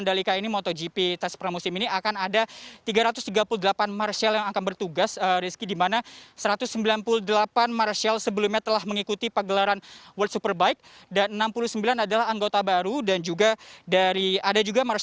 dan di hari kedua